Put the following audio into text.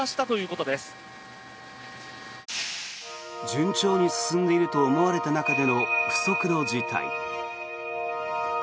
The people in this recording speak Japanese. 順調に進んでいると思われた中での不測の事態。